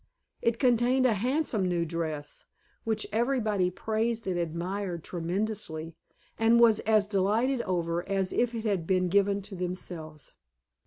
It contained a handsome new dress, which everybody praised and admired tremendously, and was as delighted over as if it had been given to themselves.